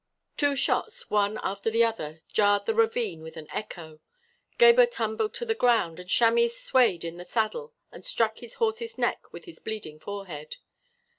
Two shots, one after the other, jarred the ravine with an echo. Gebhr tumbled upon the ground, and Chamis swayed in the saddle and struck his horse's neck with his bleeding forehead.